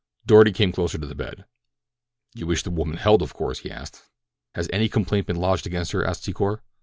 Doarty came closer to the bed. "You wish this woman held, of course?" he asked. "Has any complaint been lodged against her?" asked Secor.